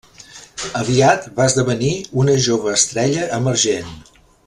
Aviat va esdevenir una jove estrella emergent.